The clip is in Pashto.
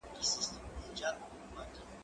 زه به اوږده موده سبزیجات وچولي وم!.